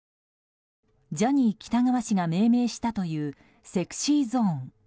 ジャニー喜多川氏が命名したというＳｅｘｙＺｏｎｅ。